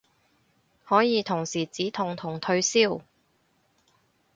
可以同時止痛同退燒